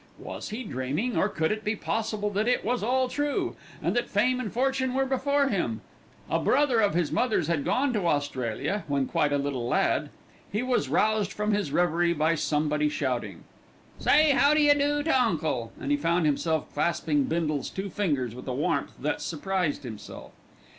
Was he dreaming, or could it be possible that it was all true, and that fame and fortune were before him? A brother of his mother's had gone to Australia when quite a little lad. He was roused from his reverie by somebody shouting: "Say how d'ye do to uncle," and he found himself clasping Bindle's two fingers with a warmth that surprised himself.